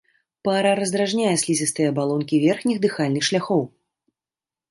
Пара раздражняе слізістыя абалонкі верхніх дыхальных шляхоў.